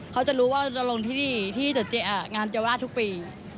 เขาจะรู้ว่าเราจะลงที่ดีที่เจี๊ยงานเจียวราชทุกปี